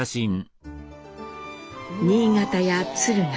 新潟や敦賀